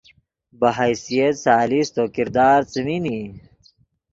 بہ حیثیت ثالث تو کردار څیمین ای